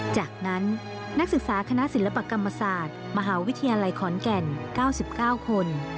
จากนั้นนักศึกษาคณะศิลปกรรมศาสตร์มหาวิทยาลัยขอนแก่น๙๙คน